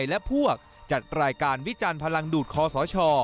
และพวกจัดรายการวิจารณ์พลังดูดคอสช